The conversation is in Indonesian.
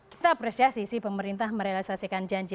kita apresiasi sih pemerintah merealisasikan janji